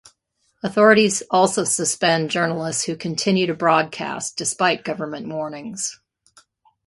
Authorities also suspend journalists who continue to broadcast despite government warnings.